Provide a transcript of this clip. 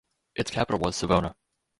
Its capital was Savona.